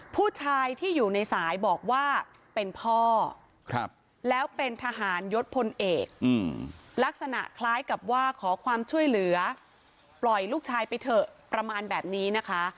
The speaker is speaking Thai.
ผู้ชายที่อยู่ในสายบอกว่าเป็นพ่อแล้วเป็นทหารยศพลเอกลักษณะคล้ายกับว่าขอความช่วยเหลือปล่อยลูกชายไปเถอะประมาณแบบนี้นะคะ